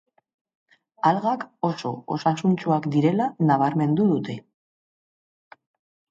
Algak oso osasuntsuak direla nabarmendu dute.